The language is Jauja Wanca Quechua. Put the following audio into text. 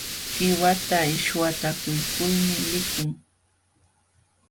Qiwata shwatakuykulmi likun.